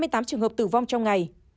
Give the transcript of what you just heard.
ba mươi tám trường hợp tử vong trong ngày